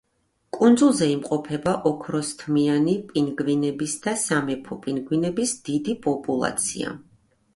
კუნძულებზე იმყოფება ოქროსთმიანი პინგვინების და სამეფო პინგვინების დიდი პოპულაცია.